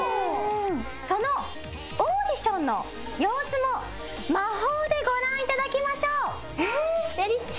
そのオーディションの様子も魔法でご覧いただきましょう。